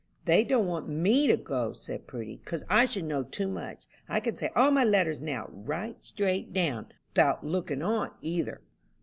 "They don't want me to go," said Prudy, "'cause I should know too much. I can say all my letters now, right down straight, 'thout looking on, either."